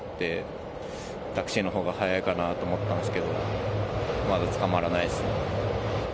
タクシーか迷って、タクシーのほうが早いかなと思ったんですけど、まだつかまらないですね。